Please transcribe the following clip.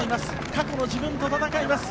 過去の自分と戦います